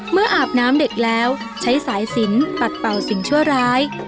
อาบน้ำเด็กแล้วใช้สายสินปัดเป่าสิ่งชั่วร้าย